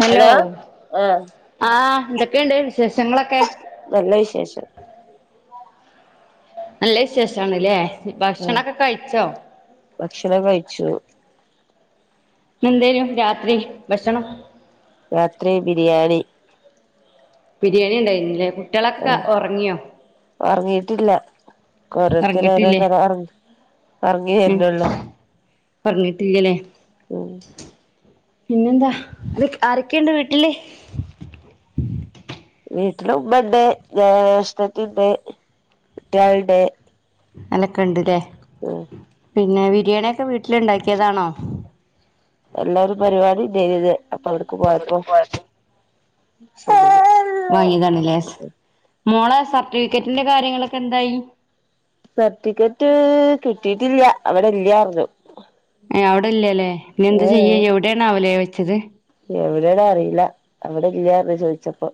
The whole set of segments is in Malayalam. ഹലോ ആഹ് ആ എന്തൊക്കെയുണ്ട് വിശേഷങ്ങളൊക്കെ നല്ല വിശേഷം നല്ല വിശേഷണല്ലേ ആഹ് ഭക്ഷണൊക്കെ കഴിച്ചോ ഭക്ഷണം കഴിച്ചു ന്തേനു രാത്രി ഭഷണം രാത്രി ബിരിയാണി ബിരിയാണി ഉണ്ടായിരുന്നല്ലേ കുട്ട്യോളൊക്കെ ഒറങ്ങിയോ ഇല്ല ഓരോത്തര് ഉറങ്ങിട്ടില്ലേ ഓരോത്തര് ഒറങ്ങി ഒറങ്ങി വരുന്നുള്ളു ഒറങ്ങിട്ടില്ലല്ലേ ഉം പിന്നെന്താ ആരൊക്കെയുണ്ട് വീട്ടില് വീട്ടില് ഉമ്മണ്ട് ജേഷ്ടത്തിണ്ട് കുട്ട്യേളുണ്ട് ഓലൊക്കെ ഉണ്ട്ല്ലേ ആ പിന്നെ ബിരിയാണിയൊക്കെ വീട്ടില് ഇണ്ടാക്കിയതാണോ അല്ല ഒരു പരിപാടി ഇണ്ടായിരിന്ന് അപ്പൊ അവടുക്ക് പോയപ്പോ വാങ്ങിയതാണല്ലേ മോളെ സർട്ടിവിക്കറ്റിന്റെ കാര്യങ്ങളൊക്കെ എന്തായി സർട്ടിക്കറ്റ് കിട്ടീട്ടില്ല അവിടെ ഇല്ലാറിഞ്ഞു അവിടെ ഇല്ലല്ലേ ഇനി എന്താ ചെയ്യ എവിടെയാണാവോലേ വെച്ചത് എവിടെണ് അറിയില്ല അവിടെ ഇല്ലാന്ന് ചോദിച്ചപ്പോ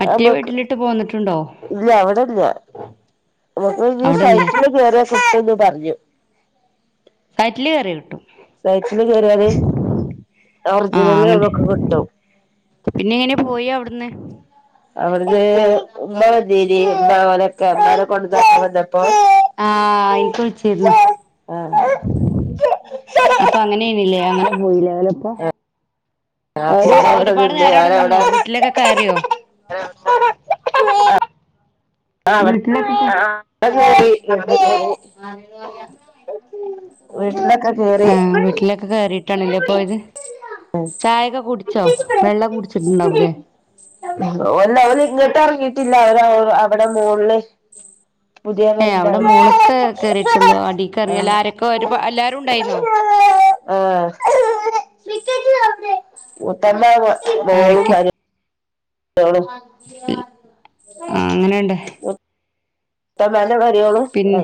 മറ്റേ വീട്ടിലിട്ട് പോന്നിട്ടു ഇല്ല അവിടല്ല നമ്മൾക്ക് അവിടെല്ല സൈറ്റില് കേറിയ കിട്ടുംന്ന് പറഞ്ഞു സൈറ്റില് കയറിയ കിട്ടും സൈറ്റില് കയറിയാല് ആഹ് ഒറിജിനല് അങ്ങനെ നമ്മക്ക് കിട്ടും പിന്നെ എങ്ങനെ പോയി അവിടുന്ന് അവിടുന്ന് ഉമ്മ വന്നീനി ഉമ്മ ഓലൊക്കെ ഉമ്മെ കോണ്ടന്നാക്കാ ആ ഇന്ക്ക് വിളിച്ചിരുന്നു ആഹ് അപ്പൊ അങ്ങനെണില്ലേ അങ്ങനെ പോയില്ലേ ഓലപ്പോ അപ്പൊ ഒരു ഓലവിടെ ഒരുപാട് നിന്ന് നേരം അവിടെ ഞാനവിടെ നിന്നോ വീട്ടിലേക്കെ കയറിയോ അ അ അത ആ വീട്ടിലൊക്കെ കേറിട്ടാണ്ല്ലേ വീട്ടിലൊക്കെ പോയത് കേറി ചായൊക്കെ കുടിച്ചോ വെള്ളം കുടിച്ചിട്ടുണ്ടാവൂലേ ഒല്ല ഓൽ ഇങ്ങട്ട് എറങ്ങിട്ടില്ല ഓൽ അവിടെ മോളില് പുതിയ ഏയ് പെരന്റെ അവിടെ മോള്ക്ക് കേറിയിട്ടൊള്ളു അടി എ റങ്ങിയില്ല ആഹ് ആരൊക്കെ ഒരു എല്ലാരും ഉണ്ടായിന്നോ ആ ആരൊക്കെ ഉത്തന്നോളും ആഹ് അങ്ങനെണ്ട് അണ ഇത്താത്താന്റെ മരിയോളും പിന്നെ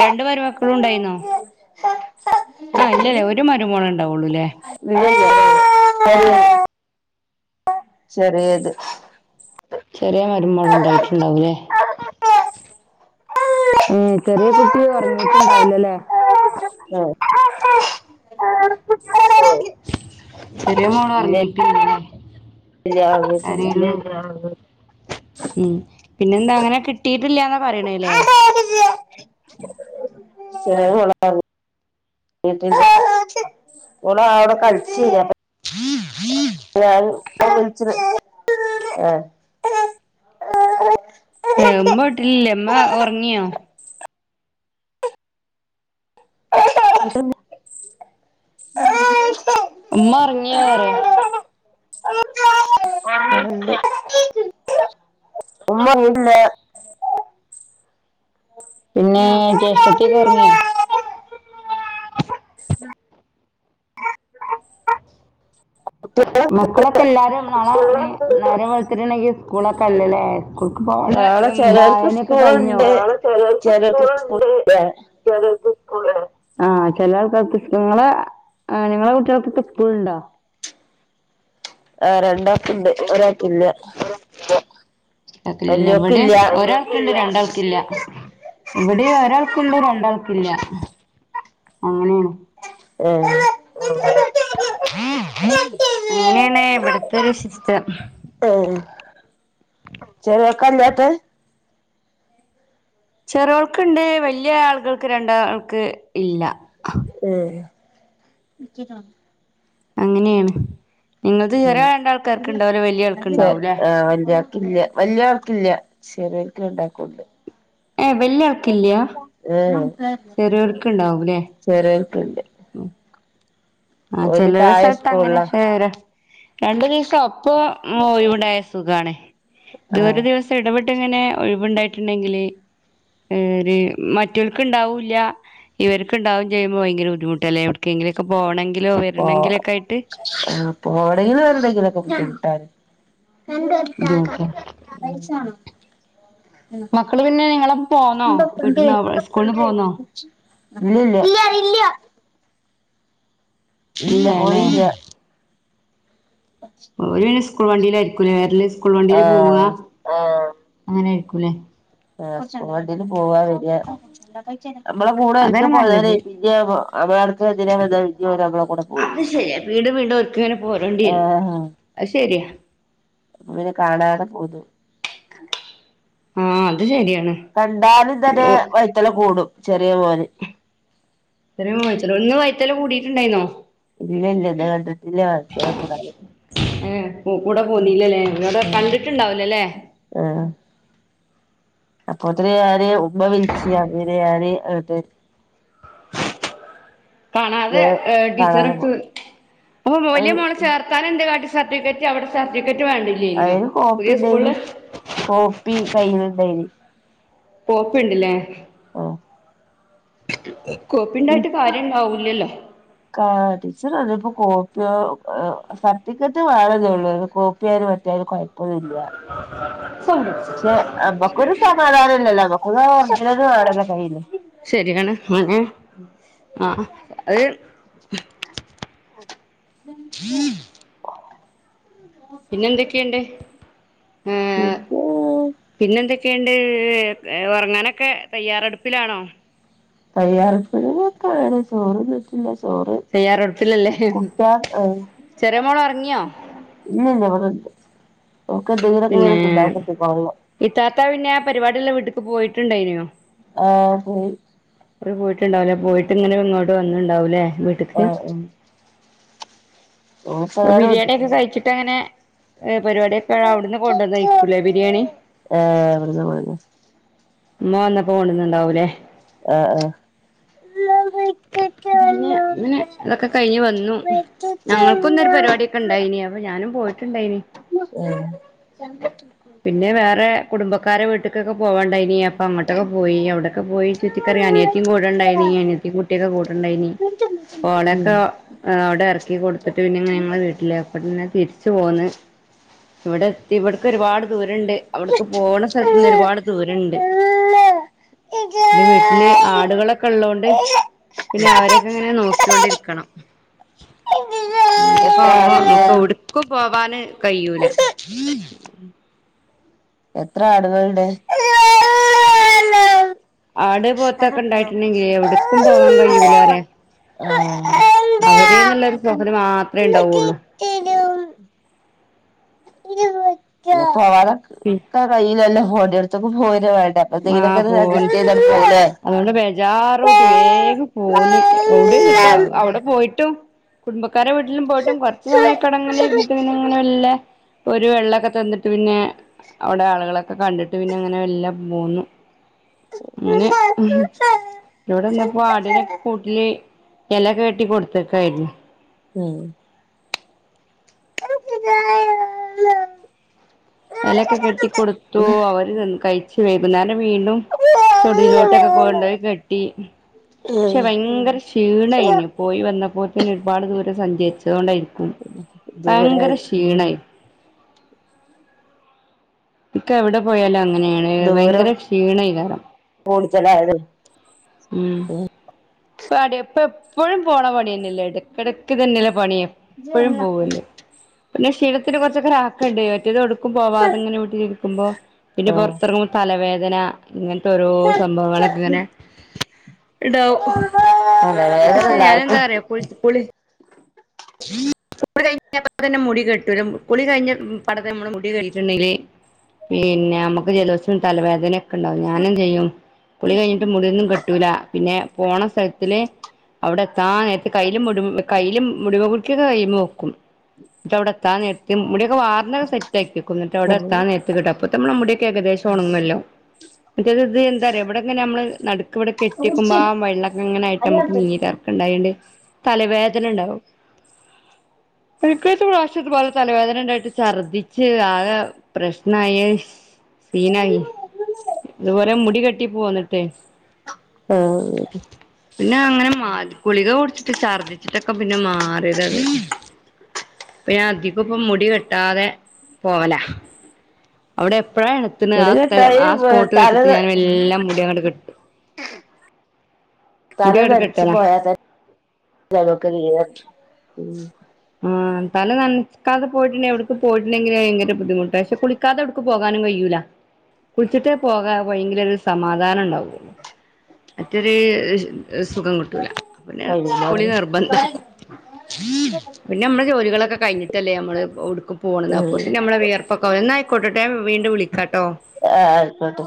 രണ്ട് മരുമക്കളും ഉണ്ടായിന്നോ ആ ഇല്ലല്ലേ ഒരു മരുമോള ഉണ്ടാവുള്ളൂല്ലേ ല്ല ല്ല ചെറ്യേത് ചെറിയ മരുമോളും ഉണ്ടായിട്ടുണ്ടാവുല്ലേ ഏ ചെറിയ കുട്ടി ഒറങ്ങീട്ടുണ്ടാവില്ലല്ലേ ഇല്ല ചെറ്യേ മോള ഇല്ല ഇറങ്ങിട്ടില്ല ഇല്ല ഒറങ്ങീട്ടില്ല കരയല്ലേ ഉം പിന്നെ എന്താ അങ്ങനെ കിട്ടിട്ടില്ലന്നാ പറയണല്ലേ ചെറ്യേ മോളാ ട ഓൾ അവിട കളിച്ച ആ് ആ ഞാൻ വിളിച്ചിണ് ആ മ്മ ഉറങ്ങിയോ ആ ഉമ്മ ഇറങ്ങിയ വറെ മ്മ ഒറങ്ങീട്ടില്ല പിന്നെ ജ്യേഷ്ഠത്തിയൊക്കെ ഉറങ്ങിയോ ആ മക്കളൊക്കെ എല്ലാരും നാളെ നേരം വെളുത്തിട്ടിണ്ടെങ്കിൽ സ്കൂളൊക്കെ അല്ലല്ലേ നാളെ [unintelligible] ചെലോർക്ക് വായനെക്കെ കയ്ഞ്ഞോ സ്കൂളുണ്ട് നാളെ ചേലോർക്ക് ചെലോർക്ക് സ്കൂൾ സ്കൂളുണ്ട് ഇല്ല ചേലോർക്ക് സ്കൂളാ ആ ചെല ആൾക്കാർക്ക് ങ്ങളെ ആ നിങ്ങളെ കുട്ട്ൾക്കക്കസ്കൂൾണ്ട ആ രണ്ടാക്കുണ്ട് ഒരാൾക്കില്ല ക്ക എവിടെ വല്യോക്കില്ല ഒരാൾക്കുണ്ട് രണ്ടാൾക്കില്ല ഇവിടെ ഒരാൾക്കുണ്ട് രണ്ടാൾക്കില്ല അങ്ങനെയാണ് ഏ അങ്ങനെയണ ഇവിടത്തെ ഒരു സിസ്റ്റം ആ ചേര്യോർക്കാ ഇല്ല്യാത്ത ചേര്യോൾക്ക് ണ്ട് വലിയ ആളുകൾക്ക് രണ്ടാൾക്ക് ഇല്ല ഏ അങ്ങനെയാണ് നിങ്ങത് ചേറ്യേ രണ്ടാൾക്കാര്ക്ക് ഉണ്ടാവുല വല്യാൾക്ക് ആൾക്ക്ണ്ടാവുംലെ ല്ല വല്യ ആൾ ക്കില്ല ചെറിയൊരിക്ക് രണ്ടാക്കുണ്ട് ഏ വെല്യാൾക്കില്ല ഏഹ് ചെറിയോരിക്ക് ഇണ്ടാവുംല്ലേ ചെറിയോൽക്ക്ണ്ട് ആ ഓല് ചേലോരെ താഴെ സ്ഥലത്ത് അങ്ങനെ സ്കൂളിലാ വേറെ രണ്ടു ദീസ അപ്പൊ ഒയിവ്ടെസുഖാണെ ഇത് ഒരു ആഹ് ദിവസം ഇടവ്ട്ടിങ്ങനെ ഒഴിവ്ണ്ടായിട്ടുണ്ടെങ്കില് ഏര് മറ്റവൾക്ക് ഇണ്ടാവൂല്ല. ഇവർക്ക്ണ്ടാവും ചെയ്യുമ്പോ ഭയങ്ക ബുദ്ധിമുട്ടല്ലെ എവിട് കെ ങ്കിലൊക്കെ പോണെങ്കി. പോ ആ പോണെങ്കിലും വരണങ്കിലൊക്കെ ബുദ്ധിമുട്ടാ. ബുദ്ധിമുട്ടാ [unintelligible] മക്കള് പിന്നെ നിങ്ങളെ പോ പോന്നോ വീട്ടന്ന് സ്കൂളിന് പോന്നോ? ഇല്ലയ ഇല്ലയ ഇല്ല പോയില്ല. ഓർ സ്കൂൾ വണ്ടീൽ ആയിരിക്കൂല്ലേ വരല് സ്കൂൾ വണ്ടിയില് പോവ ആഹ് ആ അങ്ങനെ ആയിരിക്കൂല്ലേ? ആ വണ്ടീല് പോവാ വരാ. അതാണ് നല്ലത് അത് [unintelligible] ശരിയാ വീണ്ടും വീണ്ടും ഓര്ക്കിങ്ങനെ പോരേണ്ടി വരും ആഹ അത് ശരിയാ കാണാതെ പോകും. ആഹ അത് ശരിയാണ്. കണ്ടാലും തന്നെ ഓ വൈത്തലെ കൂടും ചെറിയ മോന്. ഇത്ര ഇത്ര ഒന്ന് വൈത്തല കൂടിയിട്ടുണ്ടായിരുന്നോ? ഇല്ല ഇല്ല കണ്ടിട്ടില്ല [unintelligible] ഏ കൂടെ പോന്നീല്ലല്ലേ ഇവിടെ ഉം കണ്ടിട്ടുണ്ടാവുലല്ലേ. ആഹ് അപ്പൊത്തിന് ഞാന് ഉമ്മ വിളിച്ചി അങ്ങനെ ഞാൻ കാണാതെ ടീച്ചറെട്ത്ത് പോയി വലിയ അത് മോള ചേർത്താന എന്താകാട്ടി? സർട്ടിഫിക്കറ്റ് അവിടെ സർട്ടിഫിക്കറ്റ് വേണ്ടില്ലേനോ അയിന് കോപ്പി പുതിയ ഇണ്ടേനി സ്കൂളില്? [unintelligible] കോപ്പി ണ്ട്ല്ലേ? ആ കോപ്പിണ്ടായിട്ട് കാര്യംണ്ടാവൂലല്ലോ? കാ ടീച്ചർ പറഞ്ഞപ്പോ കോപ്പിയോ സർട്ടിഫിക്കറ്റ് വേണം നൊള്ളു കോപ്പിയായാലും മറ്റേതായാലും കൊഴെപ്പാന്നുല്ല. ശെ മെക്കൊരു സമാധാനല്ലലോ [unintelligible] ശരിയാണ് അങ്ങ നെ ആഹ അത് പിന്നെ എന്തൊക്കെയണ്ട് ഏ പിന്നെ പിന്നെന്തൊക്ക? ക്കണ്ട് ഉറങ്ങാനൊക്കെ തയ്യാറെടുപ്പിലാണോ? തയ്യാറെടുപ്പിലാണ്. ചോർ ന്നിട്ടില്ല തെയ്യാറടുപ്പില്ലല്ലേ ചെറിയ മോള ഒറങ്ങിയോ? ഇല്യല്ല ഇവിടെണ്ട്. ഓക്ക് എന്തെങ്കിലൊക്കെ പിന്നെ ഇങ്ങനെ തിന്നാൻകിട്ടി കൊള്ളാം ഇത്താത്ത പിന്നെ ആ പരിപാടിലെ വീട്ക്ക് പോയിട്ടുണ്ടായിനോ? ആ പോയി അവര് പോയിട്ടുണ്ടാവലേ പോയിട്ട് ഇങ്ങനെ ഇങ്ങോട്ട് വന്നുണ്ടാവൂലേ വീട്ട്ക്ക്. ആഹ് ഉം ഇപ്പൊ ഓൾക്കതാരെ ബിരിയാണി ഒക്കെ വന്നിട്ടില്ല കഴിച്ചിട്ട് അങ്ങനെ പരിപാടിയൊക്കെ അവിടുന്ന് കൊണ്ടുവന്നയിക്കൂലേ ബിരിയാണി. ഏഹ് ഇവിടുന്ന് പോയിണ് ഇമ്മ വന്നപ്പോ കൊണ്ടുന്നുണ്ടാവൂലേ? ആഹ ആഹ പിന്നെ അങ്ങനെ അതൊക്കെ കഴിഞ്ഞ് വന്നു ആഹ് ഏഹ് ഞങ്ങൾക്കൊന്നൊരു പരിപാടിയൊക്കെ ഉണ്ടായിനി അപ്പൊ ഞാനും പോയിട്ടുണ്ടായിനി പിന്നെ വേറെ കുടുംബക്കാരെ വീട്കൊക്കെ പോവാണ്ടായ്നി. അപ്പ അങ്ങട്ടൊ െക്ക പോയി അവിടൊക്കെ പോയി ചുറ്റിക്കറങ്ങി അനിയത്തി കൂടെ ഉണ്ടായി നീ അന കുട്ടിയൊക്കെ കൂട്ടണ്ടായിനി. ഓളൊക്കെ അവിടെ ഇറക്കി കൊടുത്തിട്ട് പിന്നെ ഉം ഞങ്ങള വീട്ടിലേക്കന്നെ തിരിച്ചു പോന്ന്. ഇവിടെ എത്തി ഇവിടക്ക് ഒരുപാട് ദൂരണ്ട് അവിടക്ക് പോണ സ്ഥലത്തു നിന്ന് ഒരുപാട് ദൂരണ്ട്. ൻ്റെ വീട്ടില് ആടുകളൊക്കെ ഉള്ളോണ്ട്. പിന്നെ അവരൊക്കെ ഇങ്ങനെ നോക്കികൊണ്ടിരിക്കണം. അങ്ങനെയൊക്കെ ആവുമ്പോ നമുക്ക് എവിടുക്കും. പോവാന് കയ്യൂല എത്ര ആടുകളുണ്ട് ആട് പോത്തൊക്കെ അതെത്തിയോ ഇണ്ടായിട്ടുണ്ടെങ്കില് ആ, എവിട്ക്കും പോകാൻ കഴിയൂലറേ ഇരുപത്തി അവര്ന്നുള്ളരു തോന്നൽ മാത്ര ഉണ്ടാവുള്ളു പോവാതെ ഉം ആഹ് ചെലപ്പന്തേലോക്കെഒര് പോൺ അജസ്റ്റ് ചെയ്താണ്ട് പോവൂലെ അതുകൊണ്ട് അവിടിം നിക്കാ അവിടെ പോയിട്ടും കുടുംബ ക്കാര വീട്ടിലും പോയിട്ടും കുറച്ച് സമയൊ ക്കടങ്ങനെ ഇിര്നിട്ട പിന്നെങ്ങനെ വെല്ലേ ഒരു വെള്ളൊക്കെ തന്നിട്ട് പിന്നെ അവിടെ ആളുകളൊക്കെ കണ്ടിട്ട് പിന്നെ അങ്ങനെ വല്ല പോന്നു അങ്ങനെ ഹ് മ് ഇവിടെന്നപ്പോ ആടിനെക്കെ കൂട്ടില് എലക്കെ കെട്ടി കൊടുത്തക്കായിരുന്നു ഉം [unintelligible] എലൊക്കെ കെട്ടിക്കൊടുത്തു അവര് കഴിച്ച് വൈകുന്നേര വീണ്ടും തൊടിയിലോട്ടൊക്കെ കൊണ്ടോയി കെട്ടി പക്ഷെ ഭയങ്കര ക്ഷീണായിന് പോയി വന്നപ്പോത്തിന് ഒരുപാട് ദൂരെം സഞ്ചരിച്ചതോണ്ടായിരിക്കും ദൂര ഭയങ്കര ക്ഷീണായി ഇക്ക് എവിടെ പോയാലും അങ്ങനെയാണ് ഭയങ്കര ക്ഷീണയ്ക്കാരം ഫോണ ചലത ഉം [unintelligible] ഇപ്പ അടിപ്പ എപ്പോഴും പോണ പണിയന്നെല്ലേത് ഇടക്കിടക്ക്തന്നെല്ല പണി എപ്പഴും പോവല്ലേ പിന്നെ ക്ഷീണത്തിന് കു റച്ചൊക്കൊരു ആക്കണ്ട് മറ്റേത് എവടുക്കും പോവാതെങ്ങനെ വീട്ടിലിരിക്കുമ്പോ പിന്നെ പുറത്തിറങ്ങ്മ്പോ തലവേദന ഇങ്ങനത്തെ ഓരോ സംഭവങ്ങളൊക്കെ ഇങ്ങനെ ഇണ്ടാവും ആ തലവേദന എല്ലാർക്കും കീക കുളി കഴിഞ്ഞപ്പ തന്നെ മുടി കെട്ടൂലെ കുളി കഴിഞ്ഞ പാടന്നേ നമ്മള് മുടി കെട്ടിട്ടുണ്ടെങ്കിൽ പിന്നെ നമ്മക്ക് ജലദോഷം തലവേദനൊക്കെ ഉണ്ടാവും ഞാനും ചെയ്യും കുളി കഴിഞ്ഞിട്ട് മുടിയൊന്നും കെട്ടൂല പിന്നെ പോണ സ്ഥലത്തില് അവിടെ ത്താനേരത്ത് കയ്യിലും മുടി കയ്യില് മുടിമ കുത്തിക്യൊക്കെ കൈയിമ്മെ വെക്കും ന്നിട്ട് അവിടെ എത്താൻ നേരത്താ വാർനൊക്കെ സെറ്റ് ആക്കിക്കും ഇന്നിട്ട് അവിടെ ഉം എത്താ നേരത്ത് കെട്ടും തപ്പോ നമ്മൾ മുടിയൊക്ക ഏകദേശം ഒണങ്ങല്ലോ മറ്റേത് ഇത് എന്താറിയോ ഇവിടെങ്ങെനെ നമ്മള് നടുക്ക് ഇവിടെക്കെട്ടിക്കുമ്പോ കുടിച്ച് ആ വെള്ളൊക്കെങ്ങനൊയിട്ട് നമക്ക് അത് നീരറങ്ങും ഇണ്ടായിണ്ട് തലവേദനണ്ടാവും പിക്കത്ത് പ്രാവശ്യതുപോലെ തലവേദന ഉണ്ടായിട്ട് ഛർദ്ദിച്ച് ആകെ പ്രശ്നമായി സീനായി ഇതുപോരെ മുടി കെട്ടി പോന്നിട്ടേ ആഹ് പിന്നെ അങ്ങനെ മാറി ഗുളിക കുടിച്ചിട്ട് ഛർദിച്ചിട്ടൊക്കെ പി പിന്നെ മാറിയതത് പ്പൊ ഞാൻ അധികും ഇപ്പ മുടി കെട്ടാതെ പോവലാ അവിടെ പ്പഴാണത്തിന് ആ മുടി സ്ഥലം കെട്ടായി ആ സ്പോട്ട് തല വെച്ചിട്ട് ഞാൻ വെല്ലേ മുടി അങ്ങട് കെട്ടും തല മുടി അങ്ങട് നനച്ചു കെട്ടലാ പോയാതന്നെ ഞങ്ങക്ക് നീരറങ്ങി ഉം ആ തല നനക്കാതെ പോയിട്ടുണ്ടെ എവിടുക്ക് പോയിട്ടുണ്ടെങ്കിൽ ഭയങ്കര ബുദ്ധിമുട്ട പക്ഷെ കുളിക്കാതെ എവിടുക്ക് പോകാനും കയൂല്ല കുളിച്ചിട്ടേ പോകാ പോയെങ്കിലേ ഒരു സമാധാനം ഉണ്ടാവുള്ളു മറ്റൊര് സുഖം കിട്ടൂല പിന്നെ കുളി നിർബന്ധാ പിന്നെ നമ്മൾ ജോലികളൊക്കെ കിഞ്ഞിട്ടല്ലേ നമ്മൾ എവടക്കും പോണത് ഉം അപ്പോത്തിനും നമ്മളെ വിയർപ്പൊക്കാവൂലെ ന്നായിക്കോട്ടട്ടൊ ഞാൻ വീണ്ടും വിളിക്കാട്ടോ ആഹ് ആയിക്കോട്ടെ